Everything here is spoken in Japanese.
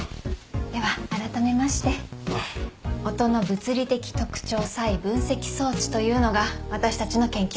ではあらためまして音の物理的特徴差異分析装置というのが私たちの研究です。